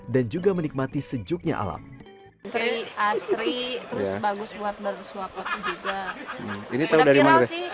dan juga menikmati sejuknya alam